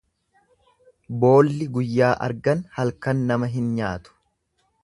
Boolli guyyaa argan halkan nama hin nyaatu.